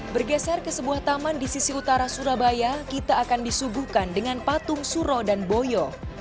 bergeser ke sebuah taman di sisi utara surabaya kita akan disuguhkan dengan patung suro dan boyo